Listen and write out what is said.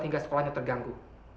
hingga sekolahnya terganggu